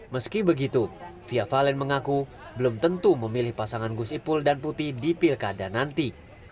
meski begitu fia valen mengaku belum tentu memilih pasangan gus ipul dan putih di pilkada nanti